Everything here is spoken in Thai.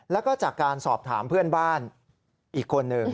แล้วก็จากการสอบถามเพื่อนบ้านอีกคนหนึ่ง